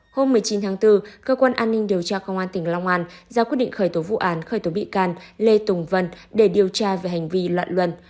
hôm một mươi chín tháng bốn cơ quan an ninh điều tra công an tỉnh long an ra quyết định khởi tố vụ án khởi tố bị can lê tùng vân để điều tra về hành vi loạn luân